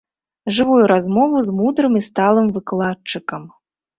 Жывую размову з мудрым і сталым выкладчыкам.